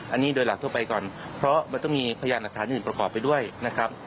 อันนี้โดยหลักทั่วไปก่อนเพราะมันต้องมีพยานหลักฐานอื่นประกอบไปด้วยนะครับ